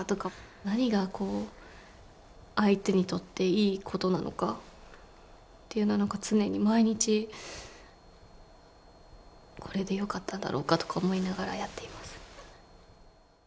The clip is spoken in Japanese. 何が相手にとっていいことなのかっていうのを何か常に毎日これでよかったんだろうかとか思いながらやっています。